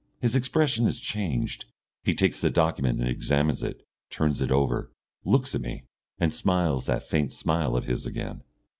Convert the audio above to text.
His expression has changed. He takes the document and examines it, turns it over, looks at me, and smiles that faint smile of his again.